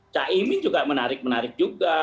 caimin juga menarik menarik juga